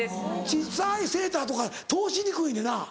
小っさいセーターとか通しにくいねんな。